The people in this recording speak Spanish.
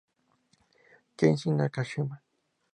Kensei Nakashima